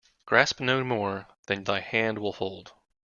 Grasp no more than thy hand will hold.